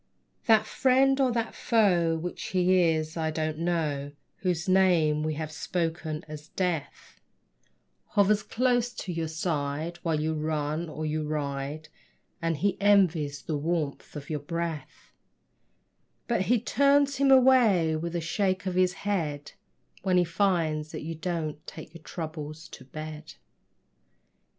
That friend or that foe (which he is, I don't know), Whose name we have spoken as Death, Hovers close to your side, while you run or you ride, And he envies the warmth of your breath; But he turns him away, with a shake of his head, When he finds that you don't take your troubles to bed.